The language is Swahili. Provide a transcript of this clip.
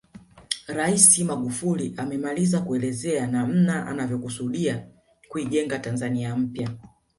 Rais Magufuli amemaliza kuelezea namna anavyokusudia kuijenga Tanzania mpya